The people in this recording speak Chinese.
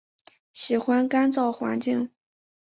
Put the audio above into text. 喜欢干燥环境。